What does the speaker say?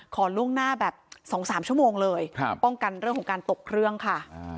ขอลุ่มหน้าแบบสองสามชามงเลยป้องกันเรื่องของการตกเครื่องค่ะ